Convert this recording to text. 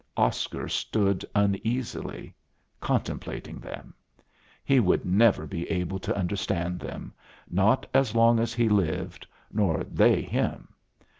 Oscar stood uneasily contemplating them. He would never be able to understand them, not as long as he lived, nor they him.